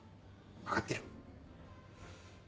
分かってる。